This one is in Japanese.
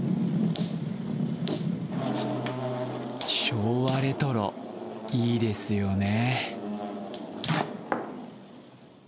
昭和レトロ、いいですよね。